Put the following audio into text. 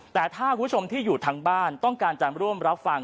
แต่ถ้าคุณผู้ชมที่อยู่ทางบ้านต้องการจะร่วมรับฟัง